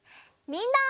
みんな！